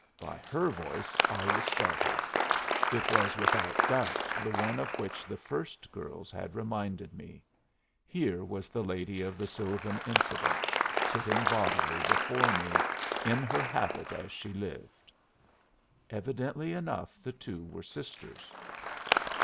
By her voice I was startled: it was without doubt the one of which the first girl's had reminded me. Here was the lady of the sylvan incident sitting bodily before me, "in her habit as she lived." Evidently enough the two were sisters.